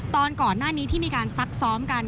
ตอนก่อนหน้านี้ที่มีการซักซ้อมกัน